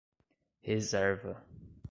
Reserva